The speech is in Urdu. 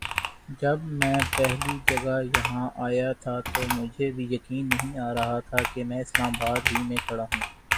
جب میں پہلی جگہ یہاں آیا تھا تو مجھے بھی یقین نہیں آ رہا تھا کہ میں اسلام آباد ہی میں کھڑا ہوں ۔